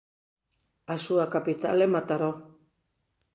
A súa capital é Mataró.